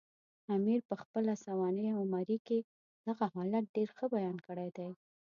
امیر پخپله سوانح عمري کې دغه حالت ډېر ښه بیان کړی دی.